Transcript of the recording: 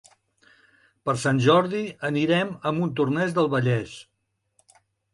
Per Sant Jordi anirem a Montornès del Vallès.